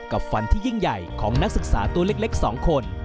ฝันที่ยิ่งใหญ่ของนักศึกษาตัวเล็ก๒คน